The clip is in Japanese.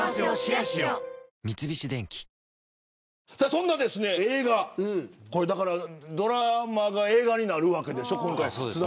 そんな映画、ドラマが映画になるわけでしょ今回。